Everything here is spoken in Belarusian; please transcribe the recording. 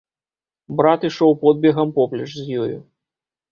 Брат ішоў подбегам поплеч з ёю.